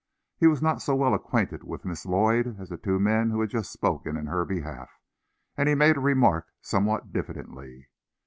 He was not so well acquainted with Miss Lloyd as the two men who had just spoken in her behalf, and he made a remark somewhat diffidently.